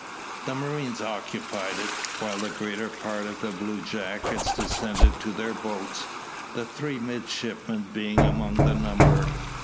The marines occupied it, while the greater part of the bluejackets descended to their boats, the three midshipmen being among the number.